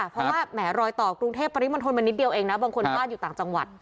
เพราะว่าแหมรอยต่อกรุงเทพปริมณฑลมันนิดเดียวเองนะบางคนพลาดอยู่ต่างจังหวัด